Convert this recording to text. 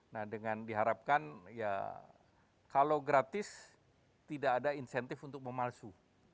nah dengan diharapkan ya kalau gratis tidak ada insentif untuk memalsu